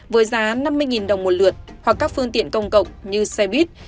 với giá năm mươi đồng một lượt hoặc các phương tiện công cộng như xe buýt